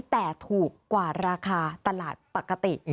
แต่ถูกกว่าราคาตลาดปกติ